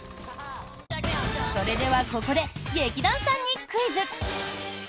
それではここで劇団さんにクイズ。